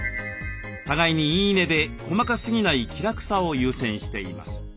互いに「言い値」で細かすぎない気楽さを優先しています。